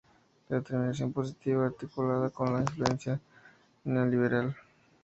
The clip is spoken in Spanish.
La determinación positivista articulada con la influencia neoliberal.